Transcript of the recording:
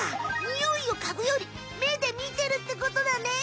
ニオイをかぐより目で見てるってことだね！